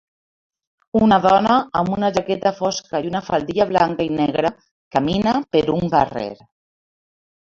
Una dona amb una jaqueta fosca i una faldilla blanca i negra camina per un carrer.